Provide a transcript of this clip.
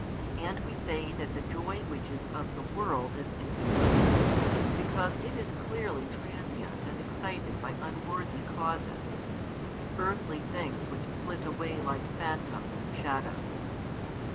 And we say that the joy which is of the world is incomplete: because it is clearly transient and excited by unworthy causes; earthly things which flit away like phantoms and shadows.